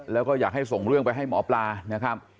แล้วก็อยากให้ส่งเรื่องไปให้หมอปลานะครับ